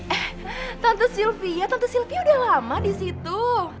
eh tante sylvia tante sylvia udah lama disitu